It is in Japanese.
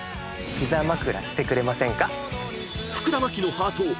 膝枕してくれませんか？